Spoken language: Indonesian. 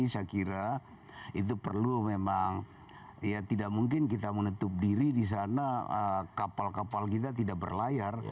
saya kira itu perlu memang ya tidak mungkin kita menutup diri di sana kapal kapal kita tidak berlayar